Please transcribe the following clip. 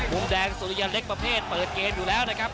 มุมแดงสุริยเล็กประเภทเปิดเกมอยู่แล้วนะครับ